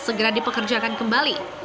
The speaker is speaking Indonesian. segera dipekerjakan kembali